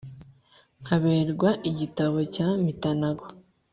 nkaberwa igitabo cya mitanago.